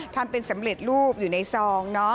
ทำเป็นสำเร็จรูปอยู่ในซองเนาะ